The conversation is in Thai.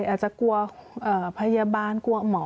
อาจจะกลัวพยาบาลกลัวหมอ